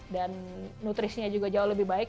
dan nutrisinya juga jauh lebih baik